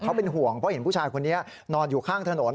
เขาเป็นห่วงเพราะเห็นผู้ชายคนนี้นอนอยู่ข้างถนน